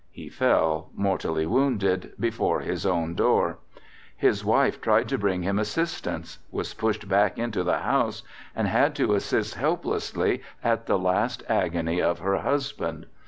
He fell mortally wounded before his own door. His wife tried to bring him assistance, was pushed back into the house, and had to assist helplessly at the last agony of her husband.